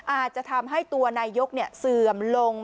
อาจจะทำให้ตัวนายกเสื่อมลง